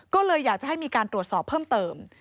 ก็เลยอยากจะให้มีการตรวจสอบเพิ่มเติม